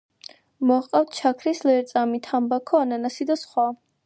მოჰყავთ შაქრის ლერწამი, თამბაქო, ანანასი და სხვა.